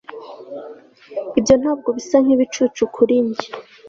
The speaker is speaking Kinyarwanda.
ibyo ntabwo bisa nkibicucu kuri njye